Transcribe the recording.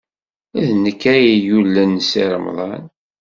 D nekk ay yullen Si Remḍan.